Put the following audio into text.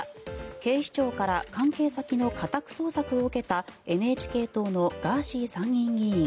警視庁から関係先の家宅捜索を受けたＮＨＫ党のガーシー参議院議員。